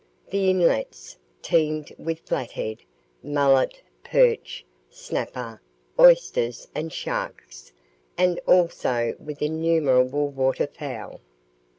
The inlets teemed with flathead, mullet, perch, schnapper, oysters, and sharks, and also with innumerable water fowl.